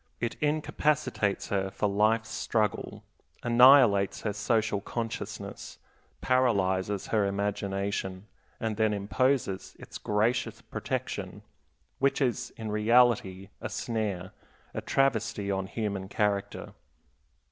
It incapacitates her for life's struggle, annihilates her social consciousness, paralyzes her imagination, and then imposes its gracious protection, which is in reality a snare, a travesty on human character.